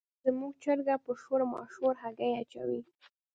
زموږ چرګه په شور ماشور هګۍ اچوي.